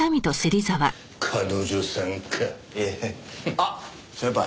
あっ先輩。